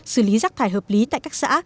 xử lý rác thải hợp lý tại các xã